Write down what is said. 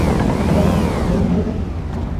হ্যাঁ, তবে বিষয়টা কি?